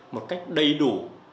một cách đầy đủ